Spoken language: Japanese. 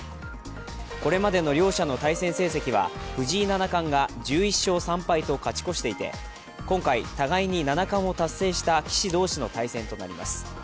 これまでの両者の対戦成績は藤井七冠が１１勝３敗と勝ち越していて、今回、互いに七冠を達成した棋士同士の対戦となります。